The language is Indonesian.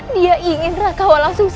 dia ingin raka walang sungsam